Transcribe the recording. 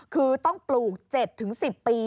คือต้องปลูก๗๑๐ปี